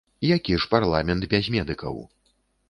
Які ж парламент без медыкаў!